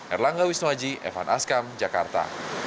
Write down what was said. erlangga wisnuaji evan askam jakarta